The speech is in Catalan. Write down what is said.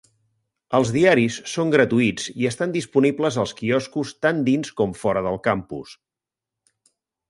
Els diaris són gratuïts i estan disponibles als quioscos tant dins com fora del campus.